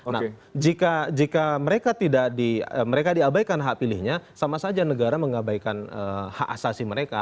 nah jika mereka diabaikan hak pilihnya sama saja negara mengabaikan hak asasi mereka